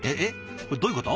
これどういうこと？